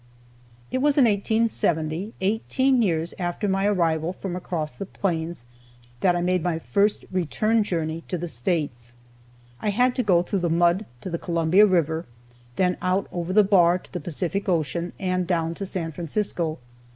It was in 1870, eighteen years after my arrival from across the Plains, that I made my first return journey to the States. I had to go through the mud to the Columbia River, then out over the bar to the Pacific Ocean, and down to San Francisco.